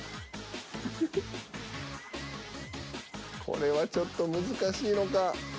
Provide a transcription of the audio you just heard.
これはちょっと難しいのか。